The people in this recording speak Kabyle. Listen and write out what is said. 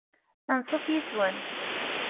Ansuf yis-wen!